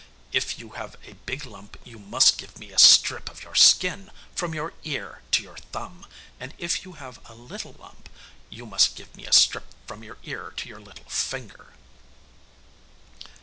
'If you have a big lump you must give me a strip of your skin from your ear to your thumb, and if you have a little lump, you must give me a strip from your ear to your little finger.